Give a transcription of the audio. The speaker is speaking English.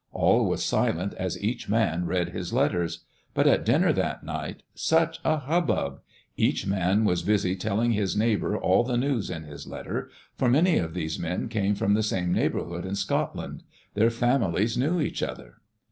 All was silent as each man read his letters. But at dinner that night — such a hubbub 1 Each man was busy telling his neighbor all the news in his letter, for many of these men came from the same neighborhood in Scotland; their families knew each other.